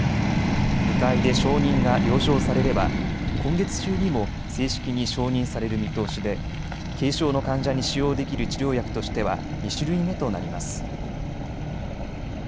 部会で承認が了承されれば今月中にも正式に承認される見通しで軽症の患者に使用できる治療薬としては２種類目となります。